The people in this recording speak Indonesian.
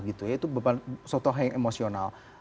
itu suatu hal yang emosional